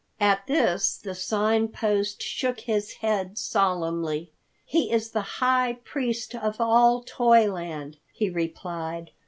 At this the Sign Post shook his head solemnly. "He is the high priest of all Toyland," he replied.